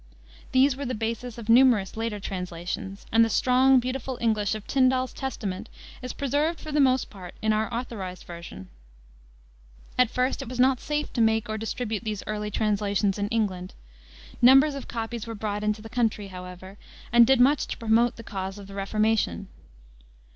These were the basis of numerous later translations, and the strong beautiful English of Tyndal's Testament is preserved for the most part in our Authorized Version (1611). At first it was not safe to make or distribute these early translations in England. Numbers of copies were brought into the country, however, and did much to promote the cause of the Reformation.